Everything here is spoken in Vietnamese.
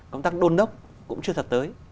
công tác đôn đốc cũng chưa thật tới